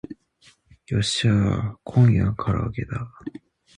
よっしゃー今夜は唐揚げだ